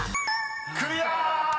［クリア！］